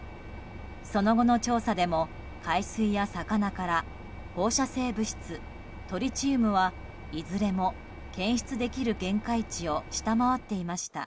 その後の調査でも海水や魚から放射性物質トリチウムはいずれも検出できる限界値を下回っていました。